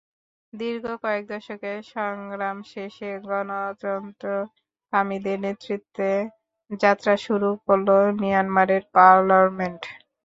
দীর্ঘ কয়েক দশকের সংগ্রাম শেষে গণতন্ত্রকামীদের নেতৃত্বে যাত্রা শুরু করল মিয়ানমারের পার্লামেন্ট।